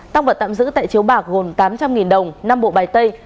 tăng vật tạm giữ tại chiếu bạc gồm tám trăm linh đồng năm bộ bài tây